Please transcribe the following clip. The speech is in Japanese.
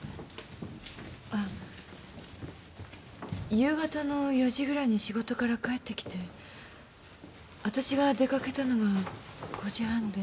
夕方の４時ぐらいに仕事から帰って来てあたしが出かけたのが５時半で。